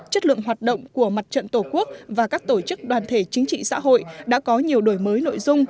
chất lượng hoạt động của mặt trận tổ quốc và các tổ chức đoàn thể chính trị xã hội đã có nhiều đổi mới nội dung